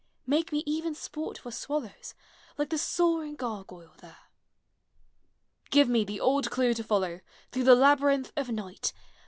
Make me even sport for swallows, Like the soaring gargoyle there! Give me the old clue to follow, Through the labyrinth of night!